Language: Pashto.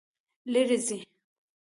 لیرې ځئ